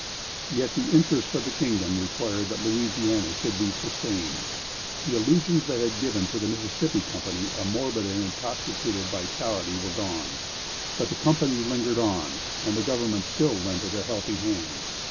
Yet the interests of the kingdom required that Louisiana should be sustained. The illusions that had given to the Mississippi Company a morbid and intoxicated vitality were gone, but the Company lingered on, and the government still lent it a helping hand.